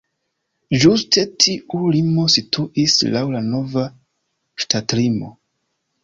Ĝuste tiu limo situis laŭ la nova ŝtatlimo.